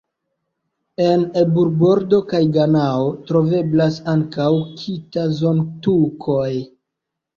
En Ebur-Bordo kaj Ganao troveblas ankaŭ "kita"-zontukoj.